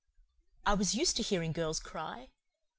I was used to hearing girls cry.